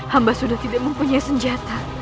hamba sudah tidak mempunyai senjata